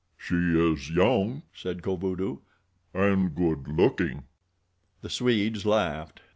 "She is young," said Kovudoo, "and good looking." The Swedes laughed.